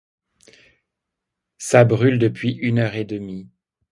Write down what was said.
Ca brûle depuis une heure et demie.